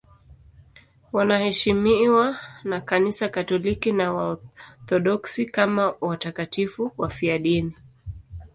Wanaheshimiwa na Kanisa Katoliki na Waorthodoksi kama watakatifu wafiadini.